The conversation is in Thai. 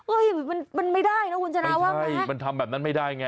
โอ๊ยมันไม่ได้นะคุณจนาว่าไงไม่ใช่มันทำแบบนั้นไม่ได้ไง